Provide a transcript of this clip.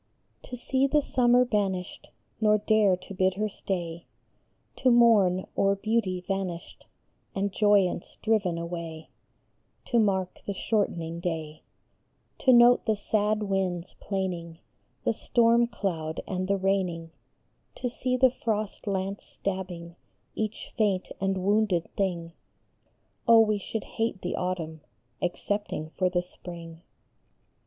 To see the summer banished, Nor dare to bid her stay ; To mourn o er beauty vanished And joyance driven away ; To mark the shortening day ; To note the sad winds plaining, COMFORTED. The storm cloud and the raining ; To see the frost lance stabbing Each faint and wounded thing ; Oh, we should hate the autumn Excepting for the spring